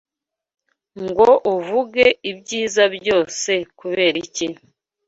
ngo uvuge ibyiza byose kubera iki